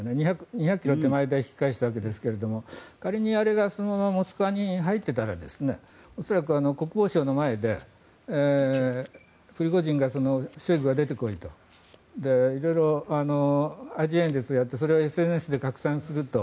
２００ｋｍ手前で引き返したわけですが仮にあれがそのままモスクワに入っていたら恐らく国防省の前でプリゴジンはショイグが出て来いと色々、アジ演説をやってそれをＳＮＳで拡散すると。